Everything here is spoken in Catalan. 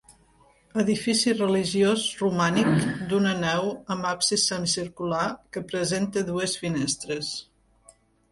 Edifici religiós, romànic, d'una nau amb absis semicircular que presenta dues finestres.